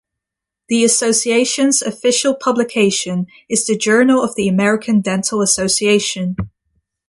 The association's official publication is The Journal of the American Dental Association.